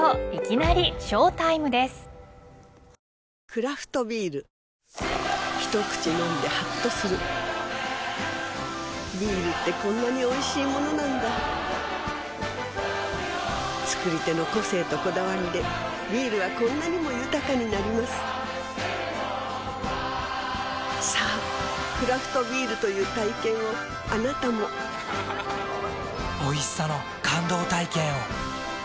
クラフトビール一口飲んでハッとするビールってこんなにおいしいものなんだ造り手の個性とこだわりでビールはこんなにも豊かになりますさぁクラフトビールという体験をあなたもおいしさの感動体験を。